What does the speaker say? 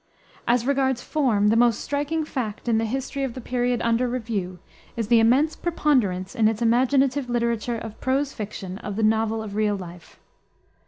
As regards form, the most striking fact in the history of the period under review is the immense preponderance in its imaginative literature of prose fiction, of the novel of real life.